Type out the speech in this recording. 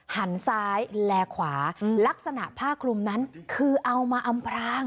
หันซ้ายและขวาลักษณะผ้าคลุมนั้นคือเอามาอำพราง